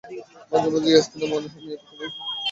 মাঝে মাঝে ইয়াসমিনের মায়ের মনে হয়, মেয়েটা কোথাও গেছে, ফিরে আসবে।